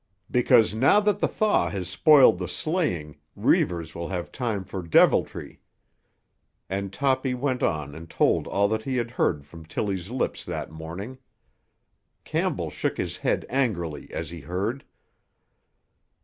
"Because now that the thaw has spoiled the sleighing Reivers will have time for deviltry." And Toppy went on and told all that he had heard from Tilly's lips that morning. Campbell shook his head angrily as he heard.